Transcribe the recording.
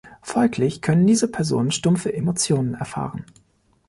Folglich können diese Personen stumpfe Emotionen erfahren.